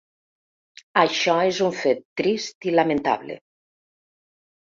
Això és un fet trist i lamentable.